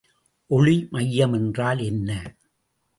ஒளிமையம் என்றால் என்ன?